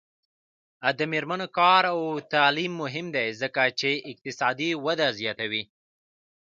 د میرمنو کار او تعلیم مهم دی ځکه چې اقتصادي وده زیاتوي.